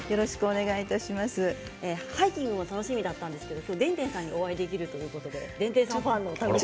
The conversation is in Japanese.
ハイキングも楽しみだったんですけれども今日はでんでんさんにお会いできるのが楽しみででんでんさんファンで。